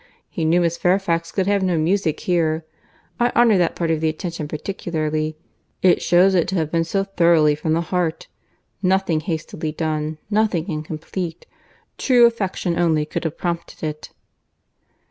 —He knew Miss Fairfax could have no music here. I honour that part of the attention particularly; it shews it to have been so thoroughly from the heart. Nothing hastily done; nothing incomplete. True affection only could have prompted it."